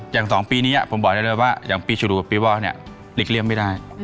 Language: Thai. อยากสองปีเนี่ยอย่างผมบอกได้เลยว่าอย่างปีฉรุกับปีวอกเนี่ยหลีกเลี่ยมไม่ได้